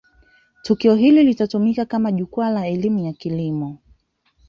tukio hili litatumika kama jukwaa la elimu ya kilimo